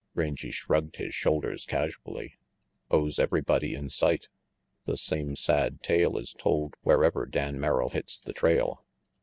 Rangy shrugged his shoulders casually. "Owes everybody in sight. The same sad tale is told wherever Dan Merrill hits the trail.